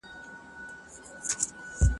له شپانه سره یې وړي د شپېلیو جنازې دي ..